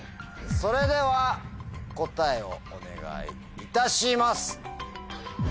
それでは答えをお願いいたします。